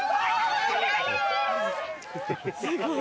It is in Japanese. すごい。